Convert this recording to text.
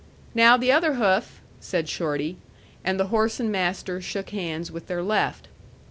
"Now the other hoof," said Shorty; and the horse and master shook hands with their left.